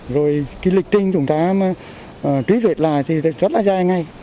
rồi lịch trình chúng ta truy vết lại thì rất là dài ngay